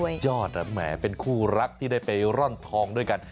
ยอดแหมเป็นคู่รักที่ได้ไปร่อนทองด้วยกัน